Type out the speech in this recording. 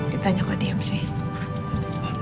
kita nyokok diem sih